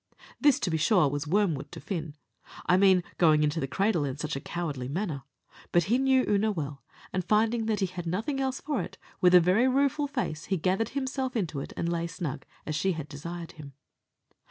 This, to be sure, was wormwood to Fin I mean going into the cradle in such a cowardly manner but he knew Oonagh well; and finding that he had nothing else for it, with a very rueful face he gathered himself into it, and lay snug, as she had desired him.